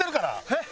えっ？